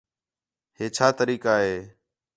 ہے چھا طریقہ ہے